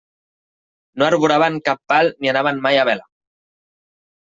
No arboraven cap pal ni anaven mai a vela.